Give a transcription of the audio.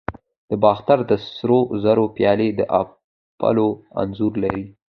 د باختر د سرو زرو پیالې د اپولو انځور لري